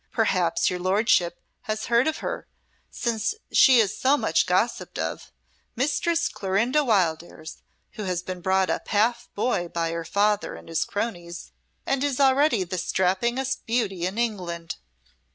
"Perhaps your Lordship has heard of her, since she is so much gossiped of Mistress Clorinda Wildairs, who has been brought up half boy by her father and his cronies, and is already the strappingest beauty in England."